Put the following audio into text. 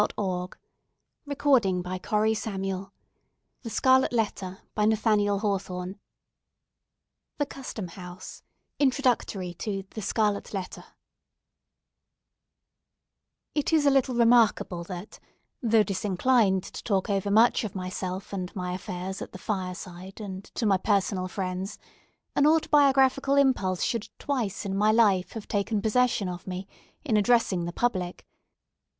THE PROCESSION XXIII. THE REVELATION OF THE SCARLET LETTER XXIV. CONCLUSION THE CUSTOM HOUSE INTRODUCTORY TO "THE SCARLET LETTER" It is a little remarkable, that—though disinclined to talk overmuch of myself and my affairs at the fireside, and to my personal friends—an autobiographical impulse should twice in my life have taken possession of me, in addressing the public.